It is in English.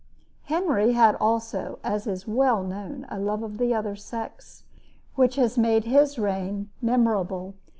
Henry had also, as is well known, a love of the other sex, which has made his reign memorable.